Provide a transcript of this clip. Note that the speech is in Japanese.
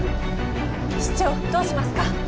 師長どうしますか？